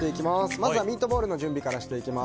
まずはミートボールの準備していきます。